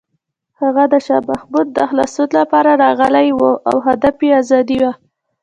هغه د شاه محمود د خلاصون لپاره راغلی و او هدف یې ازادي وه.